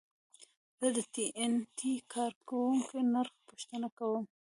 زه د ټي این ټي کارګو نرخ پوښتنه کوم.